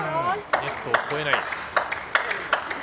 ネットを越えない。